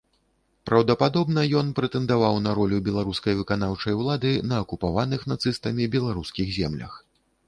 Праўдападобна, ён прэтэндаваў на ролю беларускай выканаўчай улады на акупаваных нацыстамі беларускіх землях.